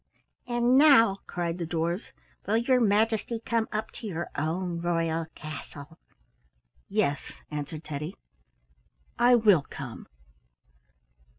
"And now," cried the dwarfs, "will your Majesty come up to your own royal castle?" "Yes," answered Teddy, "I will come."